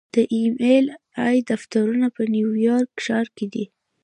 د ایم ایل اې دفترونه په نیویارک ښار کې دي.